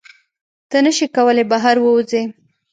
ته نشې کولی بهر ووځې.